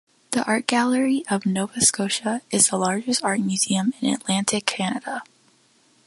The Art Gallery of Nova Scotia is the largest art museum in Atlantic Canada.